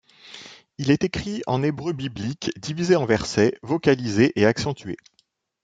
Il est écrit en hébreu biblique, divisé en versets, vocalisé et accentué.